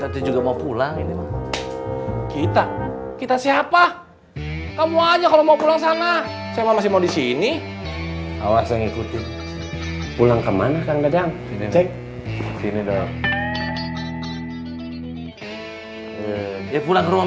diri dulu ya kece mau masukin nyembur